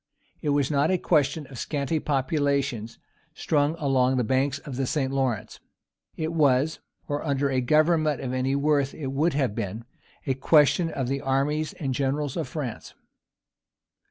It was not a question of scanty populations strung along the banks of the St. Lawrence; it was or under a government of any worth it would have been a question of the armies and generals of France.